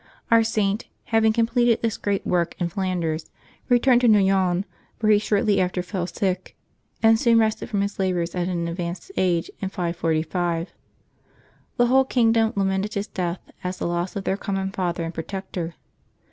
Our Saint, having completed this great work in Flanders, returned to Noyon, where he shortly after fell sick, and soon rested from his laboi*s at an advanced age, in 545. The whole kingdom lamented his death as the June 9] LIVES OF THE SAINTS 211 loss of their common father and protector.